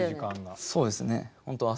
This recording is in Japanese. そうですね。